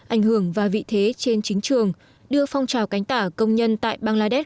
ảnh hưởng và vị thế trên chính trường đưa phong trào cánh tả công nhân tại bangladesh